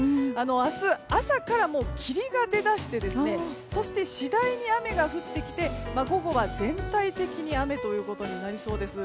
明日朝から霧が出だしてそして次第に雨が降ってきて午後は全体的に雨ということになりそうです。